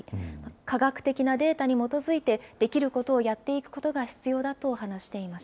科学的なデータに基づいて、できることをやっていくことが必要だ